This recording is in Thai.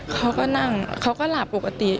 เขาก็นั่งเขาก็หลับปกติ